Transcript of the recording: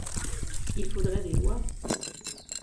Il faudrait des lois.